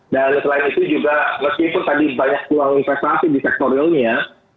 dan selain itu juga meskipun tadi banyak peluang investasi di sektor realnya